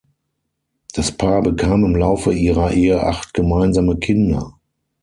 Das Paar bekam im Laufe ihrer Ehe acht gemeinsame Kinder.